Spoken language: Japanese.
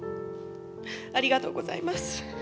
ありがとうございます。